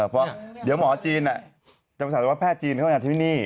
เพราะว่าเดี๋ยวหมอจีนจะคยธรรมศาลว่าแพทย์จีนเข้ามาที่นี่